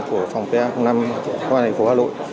phòng pa năm hà nội